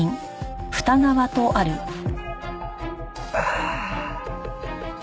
ああ！